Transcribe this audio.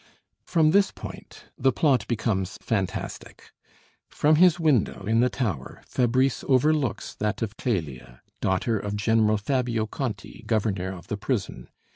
From this point the plot becomes fantastic. From his window in the tower, Fabrice overlooks that of Clélia, daughter of General Fabio Conti, governor of the prison.